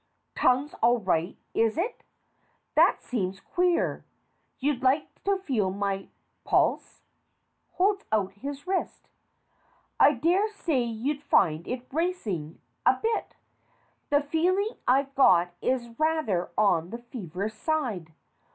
Tongue's all right, is it ? That seems queer. You'd like to feel my pulse. (Holds out his wrist.) I dare say you'll find it racing a bit. The feeling I've got is rather on the feverish side.